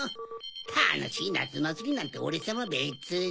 たのしいなつまつりなんてオレさまべつに。